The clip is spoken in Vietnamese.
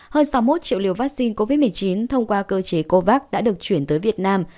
hơn sáu mươi một triệu liều vaccine covid một mươi chín thông qua cơ chế covax đã được chuyển tới việt nam